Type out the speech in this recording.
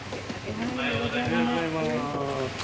おはようございます。